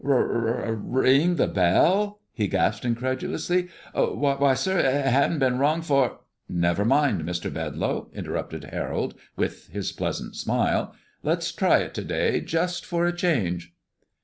"R ring the bell!" he gasped incredulously. "W why, sir, it hasn't been rung for" "Never mind, Mr. Bedlow," interrupted Harold, with his pleasant smile. "Let's try it to day, just for a change."